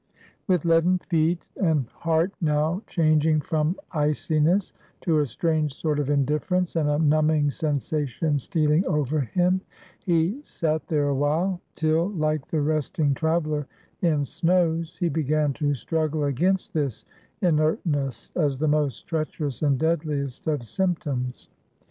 With leaden feet, and heart now changing from iciness to a strange sort of indifference, and a numbing sensation stealing over him, he sat there awhile, till, like the resting traveler in snows, he began to struggle against this inertness as the most treacherous and deadliest of symptoms.